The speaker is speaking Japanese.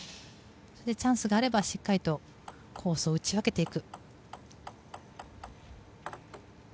チャンスがあればしっかりとコースを打ち分けていく。